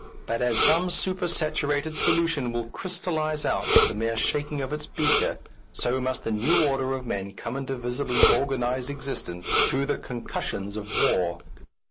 But as some supersaturated solution will crystallize out with the mere shaking of its beaker, so must the new order of men come into visibly organized existence through the concussions of war.